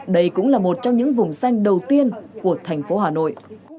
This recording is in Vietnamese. đây cũng là một trong những vùng xanh đầu tiên của thành phố hà nội